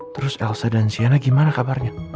terus elsa dan ziana gimana kabarnya